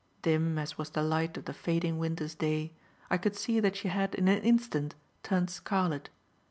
Dim as was the light of the fading winter's day, I could see that she had, in an instant, turned scarlet.